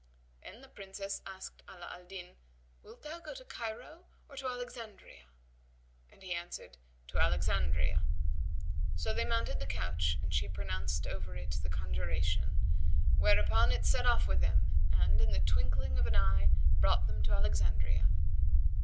Then the Princess asked Ala al Din, "Wilt thou go to Cairo or to Alexandria?"; and he answered, "To Alexandria." So they mounted the couch and she pronounced over it the conjuration, whereupon it set off with them and, in the twinkling of an eye, brought them to Alexandria.